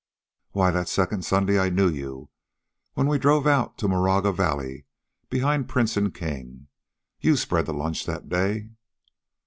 "Why, the second Sunday I knew you, when we drove out to Moraga Valley behind Prince and King. You spread the lunch that day."